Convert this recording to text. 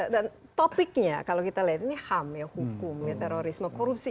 dan topiknya kalau kita lihat ini ham ya hukum terorisme korupsi